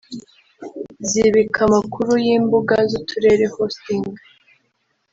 zibika amakuru y’imbuga z’Uturere(hosting)